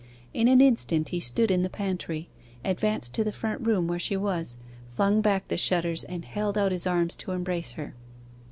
In an instant he stood in the pantry, advanced to the front room where she was, flung back the shutters, and held out his arms to embrace her.